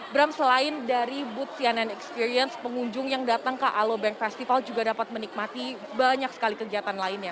bram selain dari booth cnn experience pengunjung yang datang ke alobank festival juga dapat menikmati banyak sekali kegiatan lainnya